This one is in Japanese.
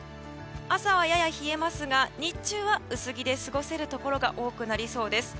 朝は、やや冷えますが日中は薄着で過ごせるところが多くなりそうです。